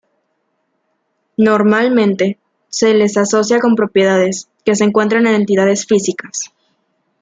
Normalmente se las asocia con propiedades que se encuentran en entidades físicas.